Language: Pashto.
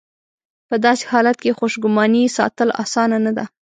په داسې حالت کې خوشګماني ساتل اسانه نه ده.